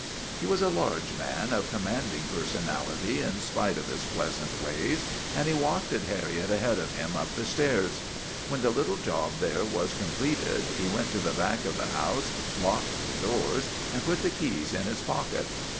He was a large man of commanding personality in spite of his pleasant w r ays, and he wafted Harriet ahead of him up the stairs. When the little job there was completed he went to the back of the house, locked the doors, and put the keys in his pocket.